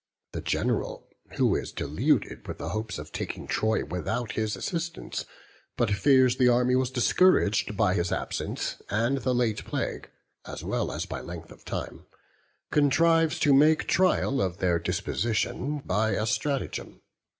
The general, who is deluded with the hopes of taking Troy without his assistance, but fears the army was discouraged by his absence and the late plague, as well as by length of time, contrives to make trial of their disposition by a stratagem.